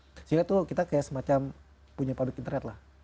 sehingga tuh kita kayak semacam punya produk internet lah